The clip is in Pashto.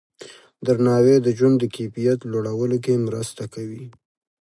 درناوی د ژوند د کیفیت لوړولو کې مرسته کوي.